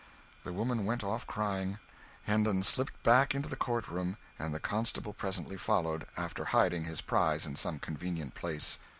The woman went off crying: Hendon slipped back into the court room, and the constable presently followed, after hiding his prize in some convenient place.